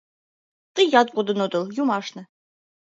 Тыят кодын отыл, юмашне!